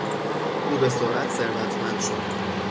او به سرعت ثروتمند شد.